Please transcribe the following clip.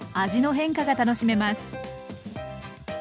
味の変化が楽しめます。